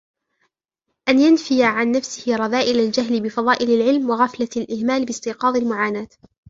أَنْ يَنْفِيَ عَنْ نَفْسِهِ رَذَائِلَ الْجَهْلِ بِفَضَائِلِ الْعِلْمِ وَغَفْلَةَ الْإِهْمَالِ بِاسْتِيقَاظِ الْمُعَانَاةِ